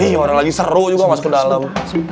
iya orang lagi seru juga masuk ke dalam